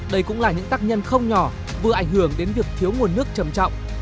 đây cũng là những tác nhân không nhỏ vừa ảnh hưởng đến việc thiếu nguồn nước trầm trọng